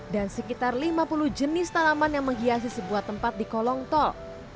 dan sekitar lima puluh jenis tanaman yang menghiasi sebuah tempat di kolong tol